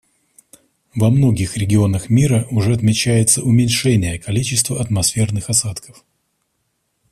Во многих регионах мира уже отмечается уменьшение количества атмосферных осадков.